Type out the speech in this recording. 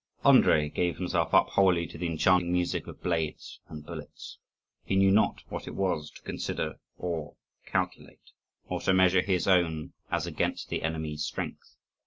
Andrii gave himself up wholly to the enchanting music of blades and bullets. He knew not what it was to consider, or calculate, or to measure his own as against the enemy's strength.